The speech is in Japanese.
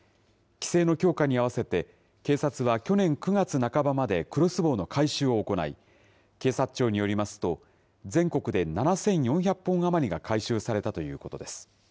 規制の強化に合わせて、警察は去年９月半ばまでクロスボウの回収を行い、警察庁によりますと、全国で７４００本余りが回収されたということです。